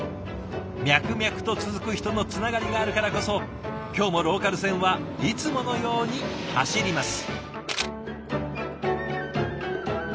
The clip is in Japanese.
脈々と続く人のつながりがあるからこそ今日もローカル線はいつものように走ります。